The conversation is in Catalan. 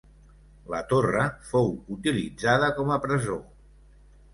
La torre fou utilitzada com a presó.